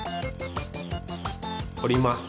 おります。